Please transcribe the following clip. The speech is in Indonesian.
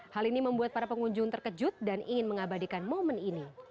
hal ini membuat para pengunjung terkejut dan ingin mengabadikan momen ini